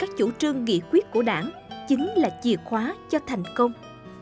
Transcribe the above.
và thực hiện các chủ trương nghị quyết của đảng chính là chìa khóa cho thành công